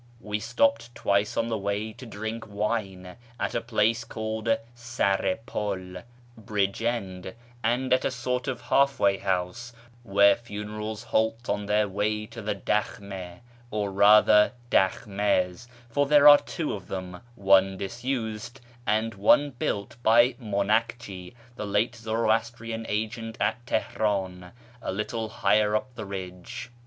We stopped twice on the way to drink wine, at a place called Sar i pul (" Bridge end "), and at a sort of halfway house, where funerals halt on their way to the dahlim6, or rather dakhnUs, for there are two of them, one disused, and one built by Mcinakji, the late Zoroastrian agent at Teheran, a little higher up the ridge.